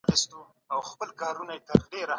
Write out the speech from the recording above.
هیوادونو به په قانون کي مساوات رامنځته کول.